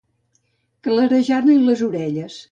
Clarejar-li les orelles.